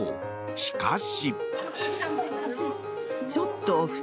しかし。